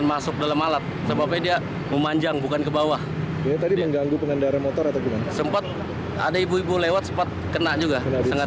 ada ibu ibu lewat sempat kena juga